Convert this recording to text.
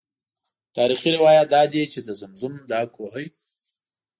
تاریخي روایات دادي چې د زمزم دا کوهی.